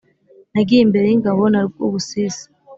Nagiye imbere y'ingabo na Rwubusisi